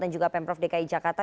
dan juga pemprov dki jakarta